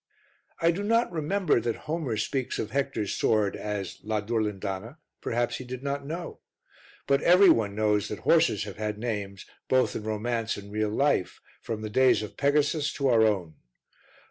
I do not remember that Homer speaks of Hector's sword as la Durlindana; perhaps he did not know. But every one knows that horses have had names, both in romance and real life, from the days of Pegasus to our own.